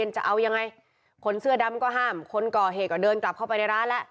ชื่อดำก็ห้ามคนก่อเหก่อเดินกลับเข้าไปในร้านแล้ว